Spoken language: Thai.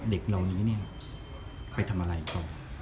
เด็กเหล่านี้เนี่ยไปทำอะไรต่อ